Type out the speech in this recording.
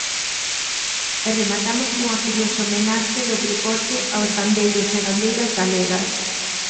E rematamos cunha curiosa homenaxe do deporte aos gandeiros e gandeiras galegas.